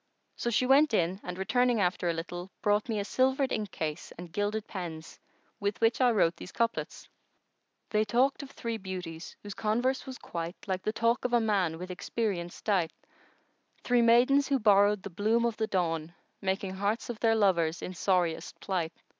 So she went in and, returning after a little, brought me a silvered inkcase and gilded pens[FN#117] with which I wrote these couplets:— They talked of three beauties whose converse was quite * Like the talk of a man with experience dight: Three maidens who borrowed the bloom of the dawn * Making hearts of their lovers in sorriest plight.